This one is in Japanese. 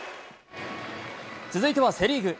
続いてはセ・リーグ。